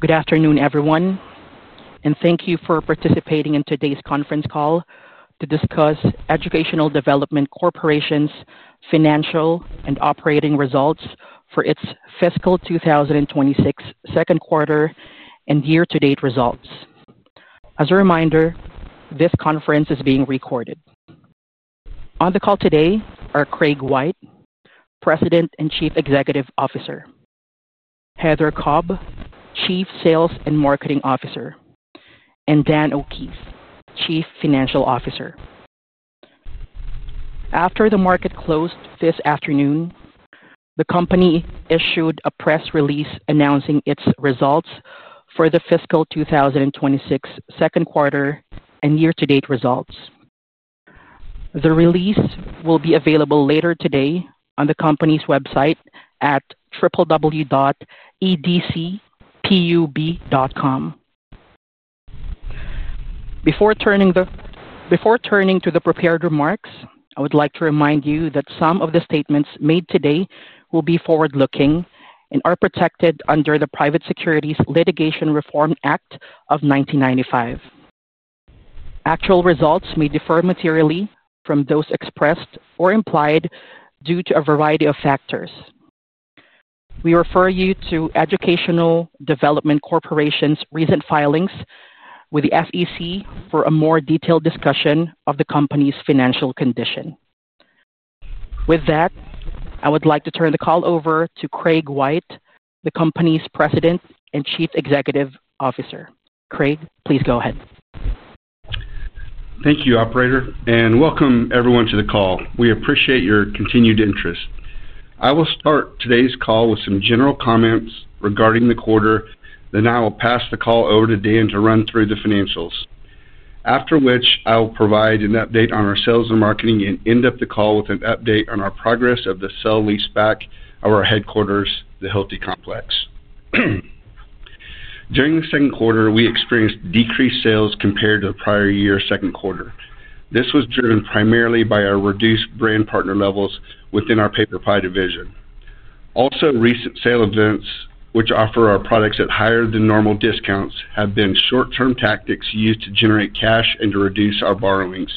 Good afternoon, everyone, and thank you for participating in today's conference call to discuss Educational Development Corporation's financial and operating results for its fiscal 2026 second quarter and year-to-date results. As a reminder, this conference is being recorded. On the call today are Craig White, President and Chief Executive Officer; Heather Cobb, Chief Sales and Marketing Officer; and Dan O'Keefe, Chief Financial Officer. After the market closed this afternoon, the company issued a press release announcing its results for the fiscal 2026 second quarter and year-to-date results. The release will be available later today on the company's website at www.edcpub.com. Before turning to the prepared remarks, I would like to remind you that some of the statements made today will be forward-looking and are protected under the Private Securities Litigation Reform Act of 1995. Actual results may differ materially from those expressed or implied due to a variety of factors. We refer you to Educational Development Corporation's recent filings with the SEC for a more detailed discussion of the company's financial condition. With that, I would like to turn the call over to Craig White, the company's President and Chief Executive Officer. Craig, please go ahead. Thank you, Operator, and welcome everyone to the call. We appreciate your continued interest. I will start today's call with some general comments regarding the quarter, then I will pass the call over to Dan to run through the financials. After which, I will provide an update on our sales and marketing and end up the call with an update on our progress of the sell-leaseback of our headquarters, the Hilty Complex. During the second quarter, we experienced decreased sales compared to the prior year's second quarter. This was driven primarily by our reduced brand partner levels within our PaperPie division. Also, recent sale events, which offer our products at higher than normal discounts, have been short-term tactics used to generate cash and to reduce our borrowings.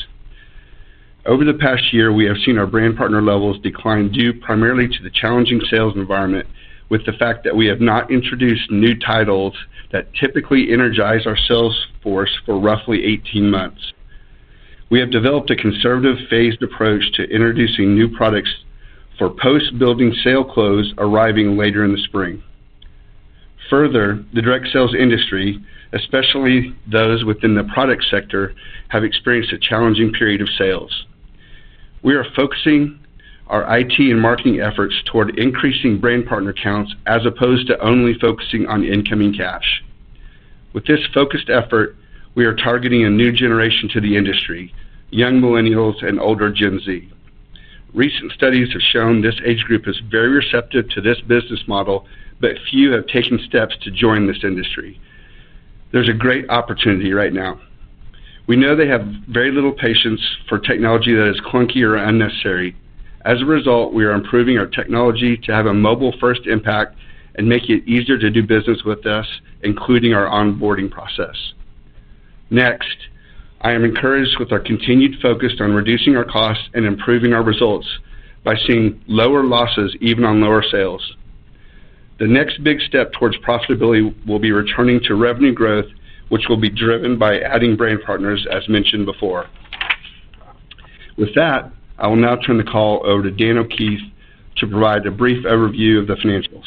Over the past year, we have seen our brand partner levels decline due primarily to the challenging sales environment, with the fact that we have not introduced new titles that typically energize our sales force for roughly 18 months. We have developed a conservative phased approach to introducing new products for post-building sale close arriving later in the spring. Further, the direct sales industry, especially those within the product sector, have experienced a challenging period of sales. We are focusing our IT and marketing efforts toward increasing brand partner counts as opposed to only focusing on incoming cash. With this focused effort, we are targeting a new generation to the industry: young Millennials and older Gen Z. Recent studies have shown this age group is very receptive to this business model, but few have taken steps to join this industry. There is a great opportunity right now. We know they have very little patience for technology that is clunky or unnecessary. As a result, we are improving our technology to have a mobile-first impact and make it easier to do business with us, including our onboarding process. Next, I am encouraged with our continued focus on reducing our costs and improving our results by seeing lower losses, even on lower sales. The next big step towards profitability will be returning to revenue growth, which will be driven by adding brand partners, as mentioned before. With that, I will now turn the call over to Dan O'Keefe to provide a brief overview of the financials.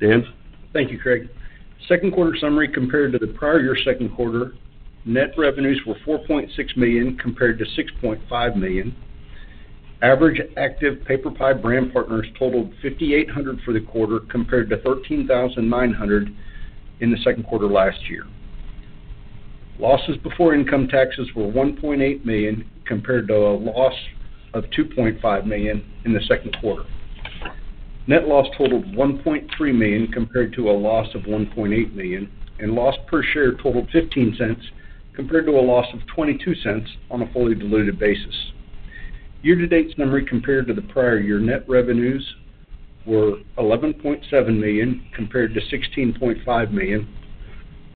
Dan? Thank you, Craig. Second quarter summary compared to the prior year's second quarter: net revenues were $4.6 million compared to $6.5 million. Average active PaperPie brand partners totaled 5,800 for the quarter compared to 13,900 in the second quarter last year. Losses before income taxes were $1.8 million compared to a loss of $2.5 million in the second quarter. Net loss totaled $1.3 million compared to a loss of $1.8 million, and loss per share totaled $0.15 compared to a loss of $0.22 on a fully diluted basis. Year-to-date summary compared to the prior year: net revenues were $11.7 million compared to $16.5 million.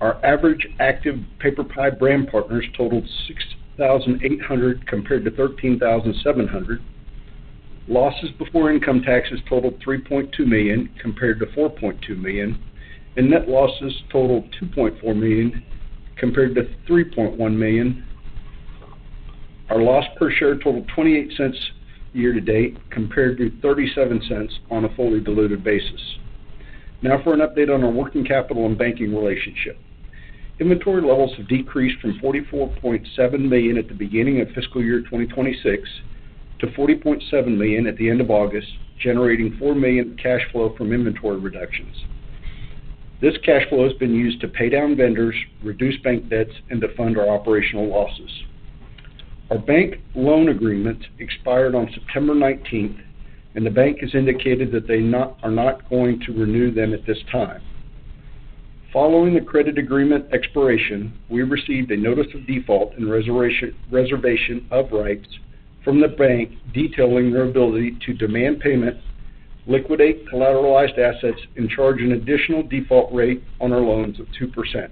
Our average active PaperPie brand partners totaled 6,800 compared to 13,700. Losses before income taxes totaled $3.2 million compared to $4.2 million, and net losses totaled $2.4 million compared to $3.1 million. Our loss per share totaled $0.28 year to date compared to $0.37 on a fully diluted basis. Now for an update on our working capital and banking relationship. Inventory levels have decreased from $44.7 million at the beginning of fiscal year 2026 to $40.7 million at the end of August, generating $4 million in cash flow from inventory reductions. This cash flow has been used to pay down vendors, reduce bank debts, and to fund our operational losses. Our bank loan agreements expired on September 19, and the bank has indicated that they are not going to renew them at this time. Following the credit agreement expiration, we received a notice of default and reservation of rights from the bank, detailing their ability to demand payments, liquidate collateralized assets, and charge an additional default rate on our loans of 2%.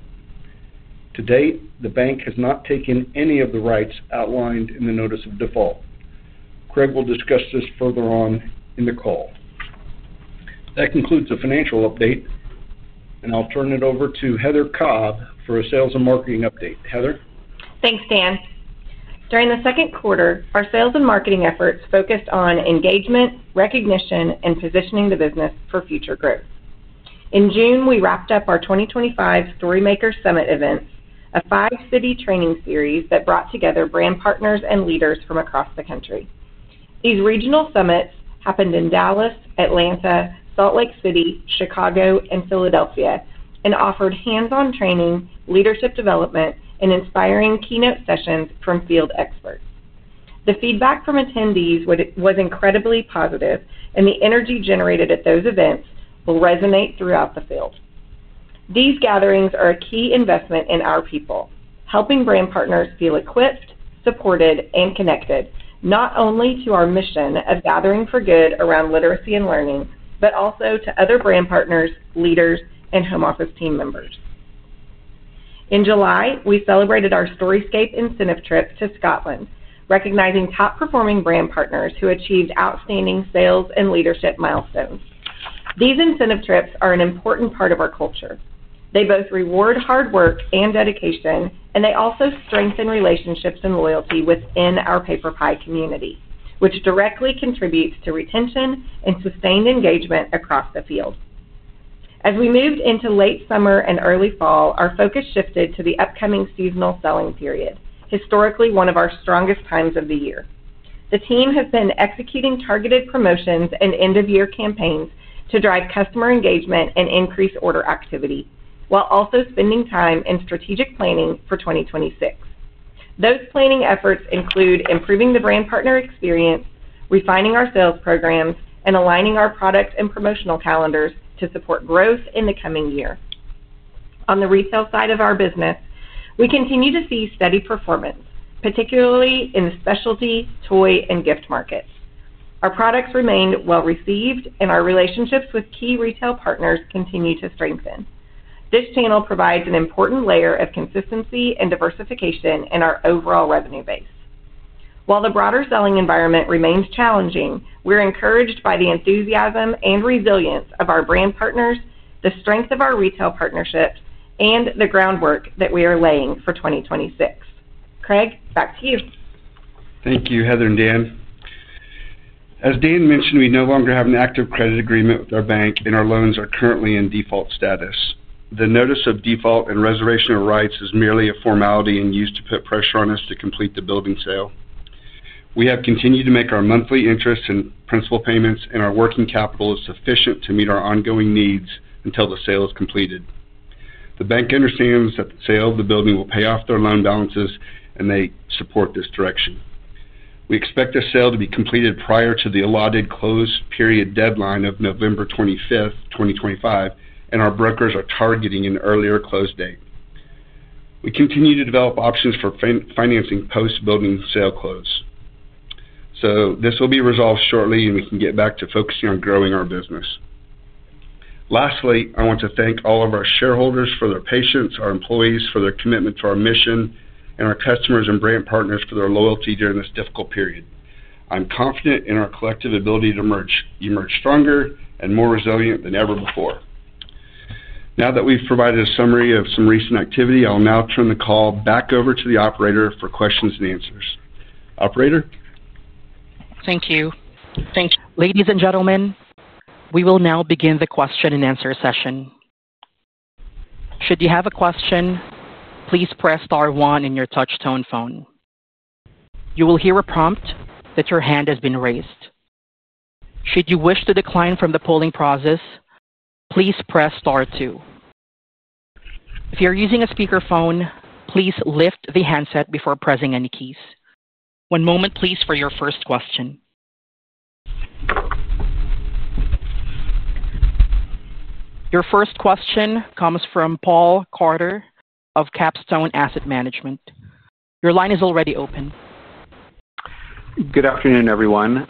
To date, the bank has not taken any of the rights outlined in the notice of default. Craig will discuss this further on in the call. That concludes the financial update, and I'll turn it over to Heather Cobb for a sales and marketing update. Heather. Thanks, Dan. During the second quarter, our sales and marketing efforts focused on engagement, recognition, and positioning the business for future growth. In June, we wrapped up our 2025 StoryMaker Summit event, a five-city training series that brought together brand partners and leaders from across the country. These regional summits happened in Dallas, Atlanta, Salt Lake City, Chicago, and Philadelphia, and offered hands-on training, leadership development, and inspiring keynote sessions from field experts. The feedback from attendees was incredibly positive, and the energy generated at those events will resonate throughout the field. These gatherings are a key investment in our people, helping brand partners feel equipped, supported, and connected, not only to our mission of gathering for good around literacy and learning, but also to other brand partners, leaders, and home office team members. In July, we celebrated our Storyscape incentive trips to Scotland, recognizing top-performing brand partners who achieved outstanding sales and leadership milestones. These incentive trips are an important part of our culture. They both reward hard work and dedication, and they also strengthen relationships and loyalty within our PaperPie community, which directly contributes to retention and sustained engagement across the field. As we moved into late summer and early fall, our focus shifted to the upcoming seasonal selling period, historically one of our strongest times of the year. The team has been executing targeted promotions and end-of-year campaigns to drive customer engagement and increase order activity, while also spending time in strategic planning for 2026. Those planning efforts include improving the brand partner experience, refining our sales programs, and aligning our product and promotional calendars to support growth in the coming year. On the retail side of our business, we continue to see steady performance, particularly in the specialty, toy, and gift markets. Our products remain well received, and our relationships with key retail partners continue to strengthen. This channel provides an important layer of consistency and diversification in our overall revenue base. While the broader selling environment remains challenging, we're encouraged by the enthusiasm and resilience of our brand partners, the strength of our retail partnership, and the groundwork that we are laying for 2026. Craig, back to you. Thank you, Heather and Dan. As Dan mentioned, we no longer have an active credit agreement with our bank, and our loans are currently in default status. The notice of default and reservation of rights is merely a formality and used to put pressure on us to complete the building sale. We have continued to make our monthly interest and principal payments, and our working capital is sufficient to meet our ongoing needs until the sale is completed. The bank understands that the sale of the building will pay off their loan balances, and they support this direction. We expect the sale to be completed prior to the allotted close period deadline of November 25, 2025, and our brokers are targeting an earlier close date. We continue to develop options for financing post-building sale close. This will be resolved shortly, and we can get back to focusing on growing our business. Lastly, I want to thank all of our shareholders for their patience, our employees for their commitment to our mission, and our customers and brand partners for their loyalty during this difficult period. I'm confident in our collective ability to emerge stronger and more resilient than ever before. Now that we've provided a summary of some recent activity, I'll now turn the call back over to the Operator for questions and answers. Operator? Thank you. Ladies and gentlemen, we will now begin the question and answer session. Should you have a question, please press star one on your touch-tone phone. You will hear a prompt that your hand has been raised. Should you wish to decline from the polling process, please press star two. If you're using a speakerphone, please lift the handset before pressing any keys. One moment, please, for your first question. Your first question comes from Paul Carter of Capstone Asset Management. Your line is already open. Good afternoon, everyone.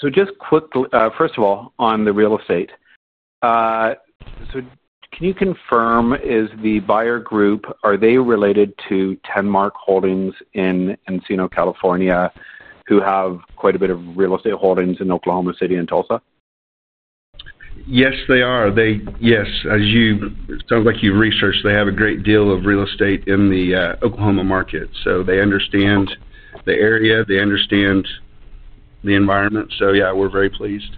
First of all, on the real estate, can you confirm, is the buyer group related to Tenmark Holdings in Encino, California, who have quite a bit of real estate holdings in Oklahoma City and Tulsa? Yes, they are. Yes, as you, it sounds like you've researched, they have a great deal of real estate in the Oklahoma market. They understand the area, they understand the environment. We're very pleased.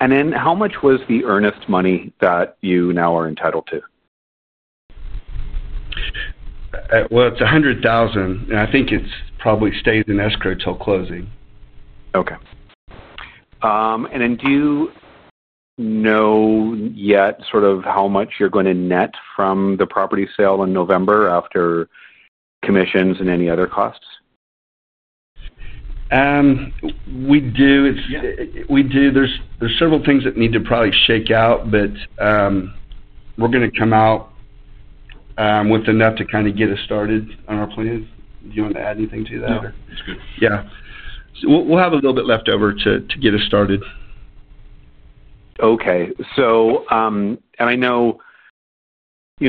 How much was the earnest money that you now are entitled to? It's $100,000, and I think it probably stays in escrow till closing. Okay. Do you know yet sort of how much you're going to net from the property sale in November after commissions and any other costs? We do. There are several things that need to probably shake out, but we're going to come out with enough to kind of get us started on our plan. Do you want to add anything to that? Okay, that's good. We'll have a little bit left over to get us started. Okay, I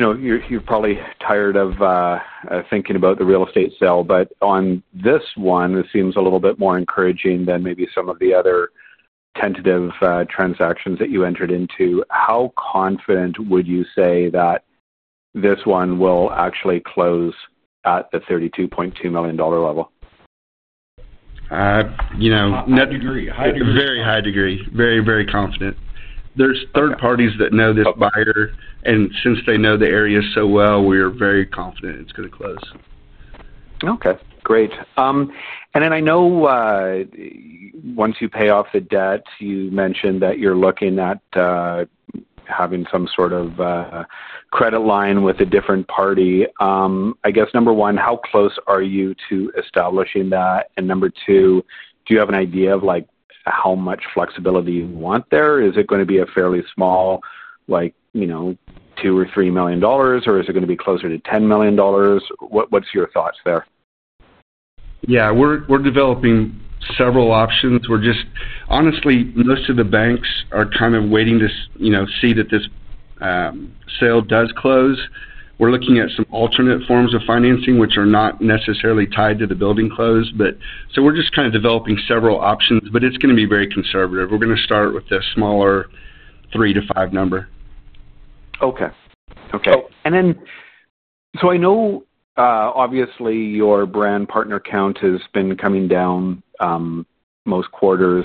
know you're probably tired of thinking about the real estate sale, but on this one, it seems a little bit more encouraging than maybe some of the other tentative transactions that you entered into. How confident would you say that this one will actually close at the $32.2 million level? Very high degree, very, very confident. There are third parties that know this buyer, and since they know the area so well, we are very confident it's going to close. Okay, great. I know once you pay off the debt, you mentioned that you're looking at having some sort of credit line with a different party. I guess, number one, how close are you to establishing that? Number two, do you have an idea of how much flexibility you want there? Is it going to be a fairly small, like, you know, $2 million or $3 million, or is it going to be closer to $10 million? What's your thoughts there? Yeah, we're developing several options. Honestly, most of the banks are kind of waiting to see that this sale does close. We're looking at some alternate forms of financing, which are not necessarily tied to the building close, so we're just kind of developing several options, but it's going to be very conservative. We're going to start with a smaller 3%-5% number. Okay. I know, obviously, your brand partner count has been coming down most quarters,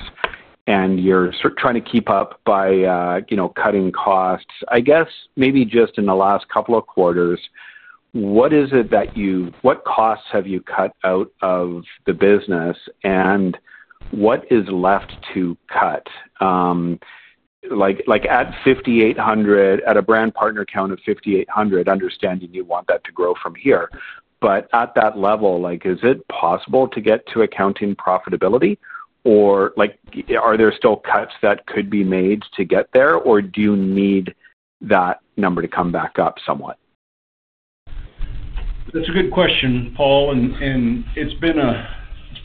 and you're trying to keep up by cutting costs. I guess maybe just in the last couple of quarters, what is it that you, what costs have you cut out of the business and what is left to cut? At a brand partner count of 5,800, understanding you want that to grow from here, at that level, is it possible to get to accounting profitability or are there still cuts that could be made to get there or do you need that number to come back up somewhat? That's a good question, Paul. It's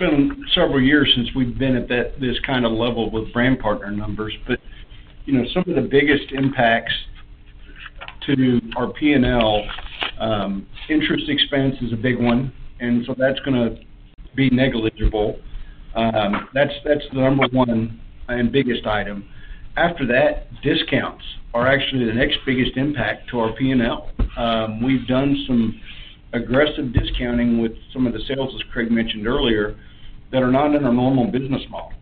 been several years since we've been at this kind of level with brand partner numbers. Some of the biggest impacts to our P&L, interest expense is a big one. That's going to be negligible. That's the number one and biggest item. After that, discounts are actually the next biggest impact to our P&L. We've done some aggressive discounting with some of the sales, as Craig mentioned earlier, that are not in our normal business model.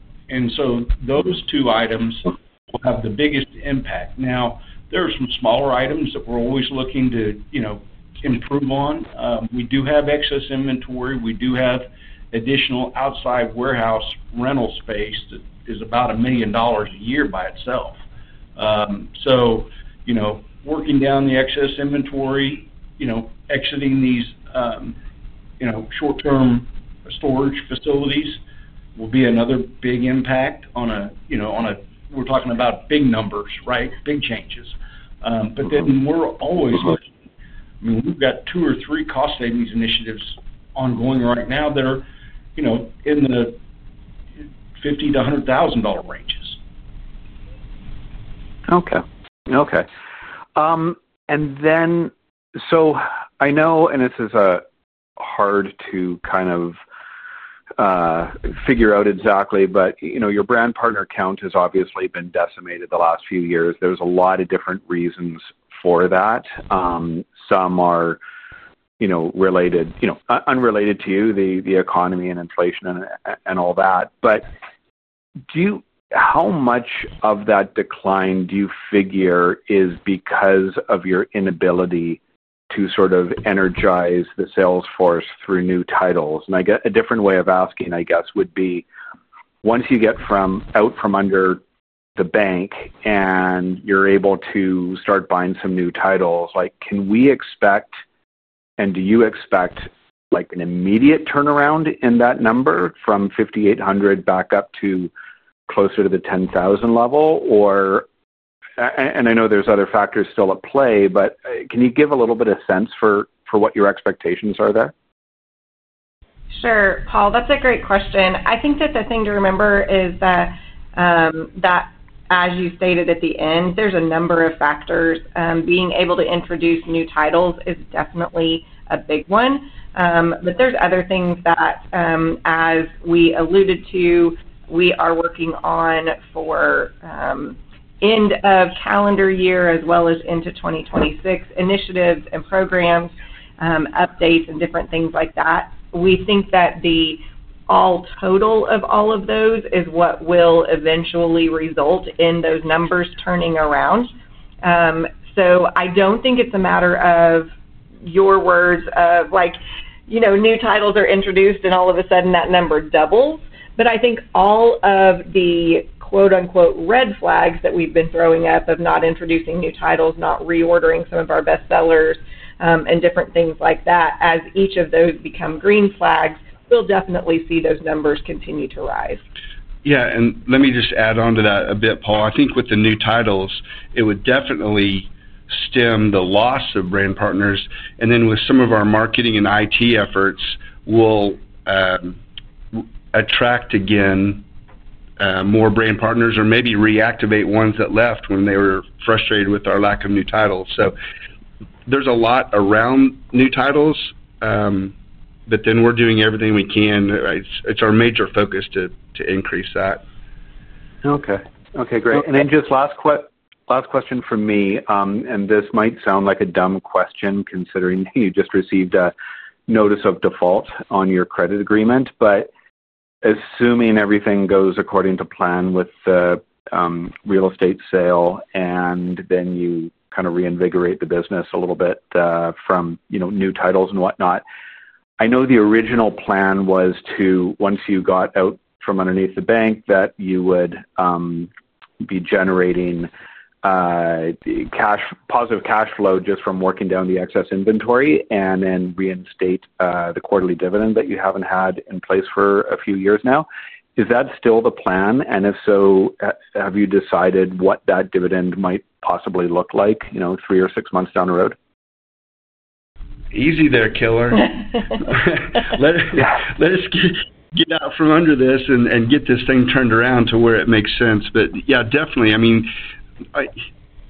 Those two items will have the biggest impact. There are some smaller items that we're always looking to improve on. We do have excess inventory. We do have additional outside warehouse rental space that is about $1 million a year by itself. Working down the excess inventory, exiting these short-term storage facilities will be another big impact on a, we're talking about big numbers, right? Big changes. We're always looking, we've got two or three cost savings initiatives ongoing right now that are in the $50,000-$100,000 ranges. Okay. And then, I know this is hard to kind of figure out exactly, but your brand partner count has obviously been decimated the last few years. There are a lot of different reasons for that. Some are related, some unrelated to you, the economy, inflation, and all that. How much of that decline do you figure is because of your inability to sort of energize the sales force through new titles? A different way of asking, I guess, would be once you get out from under the bank and you're able to start buying some new titles, can we expect, and do you expect, an immediate turnaround in that number from 5,800 back up to closer to the 10,000 level? I know there are other factors still at play, but can you give a little bit of sense for what your expectations are there? Sure, Paul. That's a great question. I think that the thing to remember is that, as you stated at the end, there's a number of factors. Being able to introduce new titles is definitely a big one. There are other things that, as we alluded to, we are working on for the end of calendar year, as well as into 2026, initiatives and programs, updates, and different things like that. We think that the all total of all of those is what will eventually result in those numbers turning around. I don't think it's a matter of your words of, like, you know, new titles are introduced and all of a sudden that number doubles. I think all of the quote-unquote "red flags" that we've been throwing up of not introducing new titles, not reordering some of our bestsellers, and different things like that, as each of those become green flags, we'll definitely see those numbers continue to rise. Yeah, let me just add on to that a bit, Paul. I think with the new titles, it would definitely stem the loss of brand partners. With some of our marketing and IT efforts, we'll attract again more brand partners or maybe reactivate ones that left when they were frustrated with our lack of new titles. There's a lot around new titles, but we're doing everything we can. It's our major focus to increase that. Okay, great. Just last question from me, and this might sound like a dumb question considering you just received a notice of default on your credit agreement, but assuming everything goes according to plan with the real estate sale, and you kind of reinvigorate the business a little bit from new titles and whatnot. I know the original plan was to, once you got out from underneath the bank, that you would be generating positive cash flow just from working down the excess inventory and then reinstate the quarterly dividend that you haven't had in place for a few years now. Is that still the plan? If so, have you decided what that dividend might possibly look like, three or six months down the road? Easy there, killer. Let us get out from under this and get this thing turned around to where it makes sense. Yeah, definitely. I mean,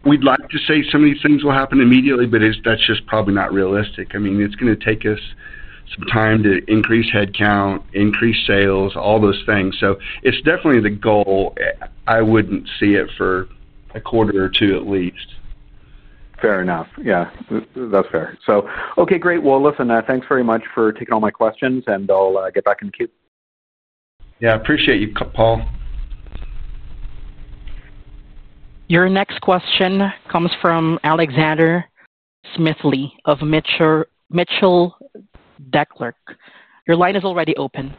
we'd like to say some of these things will happen immediately, but that's just probably not realistic. I mean, it's going to take us some time to increase headcount, increase sales, all those things. It's definitely the goal. I wouldn't see it for a quarter or two at least. Fair enough. That's fair. Okay, great. Listen, thanks very much for taking all my questions, and I'll get back in the queue. Yeah, I appreciate you, Paul. Your next question comes from Alexander Smithley of Mitchell-DeClerck. Your line is already open.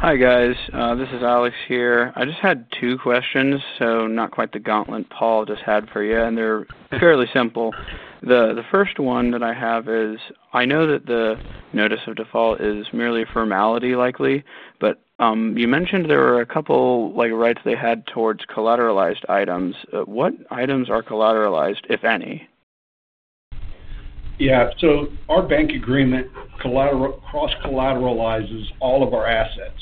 Hi guys, this is Alex here. I just had two questions, so not quite the gauntlet Paul just had for you, and they're fairly simple. The first one that I have is, I know that the notice of default is merely a formality likely, but you mentioned there were a couple like rights they had towards collateralized items. What items are collateralized, if any? Our bank agreement cross-collateralizes all of our assets.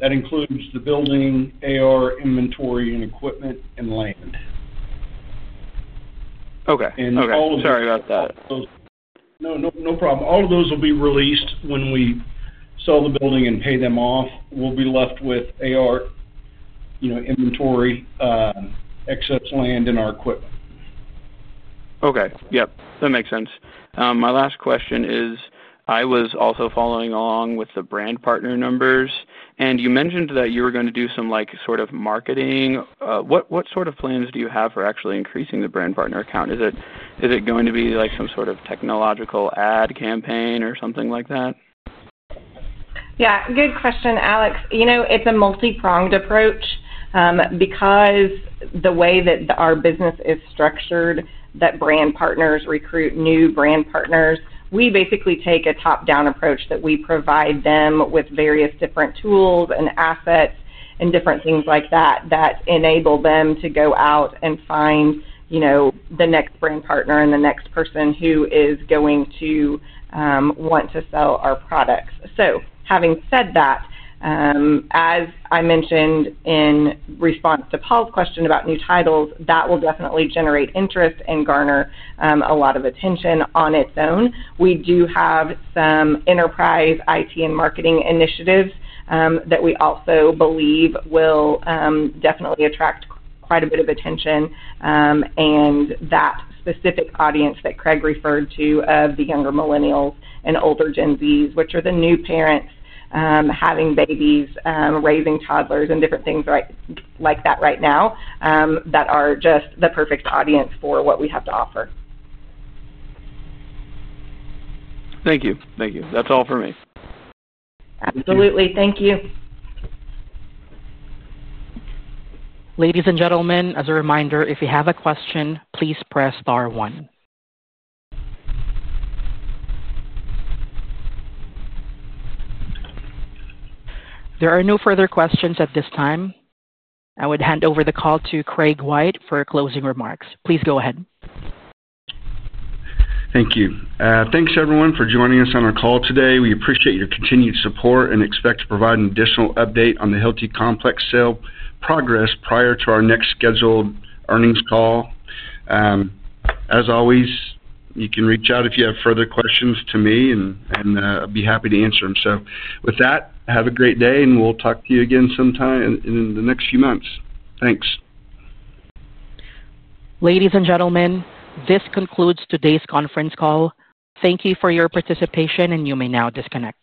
That includes the building, AR, inventory, equipment, and land. Okay, sorry about that. No problem. All of those will be released when we sell the building and pay them off. We'll be left with AR, inventory, excess land, and our equipment. Okay, yep, that makes sense. My last question is, I was also following along with the brand partner numbers, and you mentioned that you were going to do some sort of marketing. What sort of plans do you have for actually increasing the brand partner count? Is it going to be some sort of technological ad campaign or something like that? Yeah, good question, Alex. It's a multi-pronged approach because the way that our business is structured, that brand partners recruit new brand partners, we basically take a top-down approach that we provide them with various different tools and assets and different things like that that enable them to go out and find the next brand partner and the next person who is going to want to sell our products. Having said that, as I mentioned in response to Paul's question about new titles, that will definitely generate interest and garner a lot of attention on its own. We do have some enterprise IT and marketing initiatives that we also believe will definitely attract quite a bit of attention. That specific audience that Craig referred to of the younger Millennials and older Gen Zs, which are the new parents having babies, raising toddlers, and different things like that right now, are just the perfect audience for what we have to offer. Thank you. Thank you. That's all for me. Absolutely. Thank you. Ladies and gentlemen, as a reminder, if you have a question, please press star one. There are no further questions at this time. I would hand over the call to Craig White for closing remarks. Please go ahead. Thank you. Thanks, everyone, for joining us on our call today. We appreciate your continued support and expect to provide an additional update on the Hilty Complex sale progress prior to our next scheduled earnings call. As always, you can reach out if you have further questions to me, and I'd be happy to answer them. Have a great day, and we'll talk to you again sometime in the next few months. Thanks. Ladies and gentlemen, this concludes today's conference call. Thank you for your participation, and you may now disconnect.